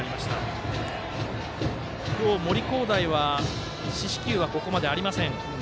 今日、森煌誠は四死球はここまでありません。